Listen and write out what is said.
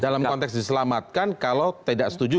dalam konteks diselamatkan kalau tidak setuju